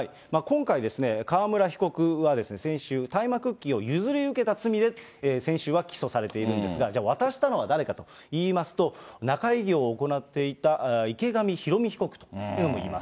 今回、川村被告は先週、大麻クッキーを譲り受けた罪で先週は起訴されているんですが、じゃあ、渡したのは誰かといいますと、仲居業を行っていた池上ひろみ被告というのもいます。